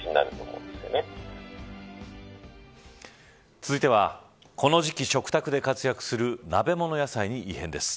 続いてはこの時期食卓で活躍する鍋物野菜に異変です。